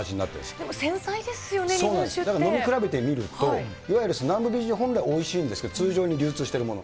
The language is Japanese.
でも、繊細ですよね、日本酒飲み比べてみると、いわゆる南部美人、本来おいしいんですけど、通常に流通してるもの。